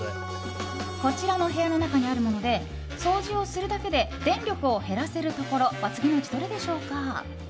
こちらの部屋の中にあるもので掃除をするだけで電力を減らせるところは次のうちどれでしょうか？